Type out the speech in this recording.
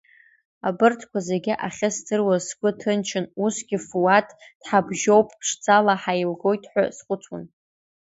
Абарҭқәа зегьы ахьыздыруаз сгәы ҭынчын, усгьы Фуаҭ дҳабжьоуп, ԥшӡала ҳаилгоит ҳәа схәыцуан.